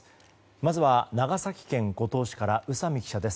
まずは、長崎県五島市から宇佐美記者です。